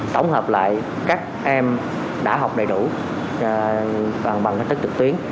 tổng hợp lại các em đã học đầy đủ bằng cách thức trực tuyến